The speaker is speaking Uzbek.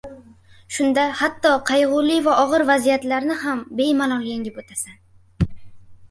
Shunda hatto qaygʻuli va ogʻir vaziyatlarni ham bemalol yengib oʻtasan.